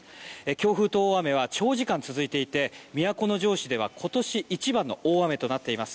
強風と大雨は長時間続いていて都城市では今年一番の大雨となっています。